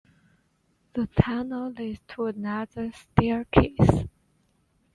The tunnel leads to another staircase.